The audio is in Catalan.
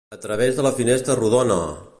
A través de la finestra rodona!